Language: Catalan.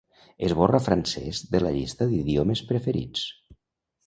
Esborra francès de la llista d'idiomes preferits.